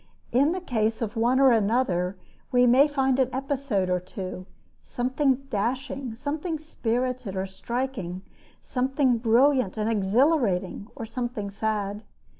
In the case of one or another we may find an episode or two something dashing, something spirited or striking, something brilliant and exhilarating, or something sad.